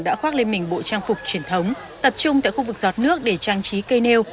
đã khoác lên mình bộ trang phục truyền thống tập trung tại khu vực giọt nước để trang trí cây nêu